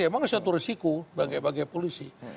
memang suatu risiko bagai bagai polisi